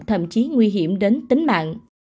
thậm chí nguy hiểm đến tính mạng